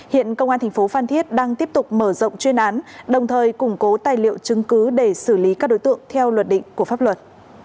hiện công an thành phố phan thiết đang tiếp tục mở rộng chuyên án đồng thời củng cố tài liệu chứng cứ để xử lý các đối tượng theo luật định của pháp luật